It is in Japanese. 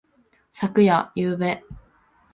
昨夜。ゆうべ。